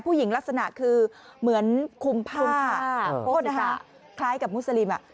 ผู้หญิงลักษณะคือเหมือนคุมผ้าโบสถาคล้ายกับมุสลิม